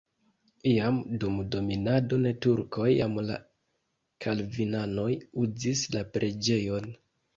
Iam dum dominado de turkoj jam la kalvinanoj uzis la preĝejon.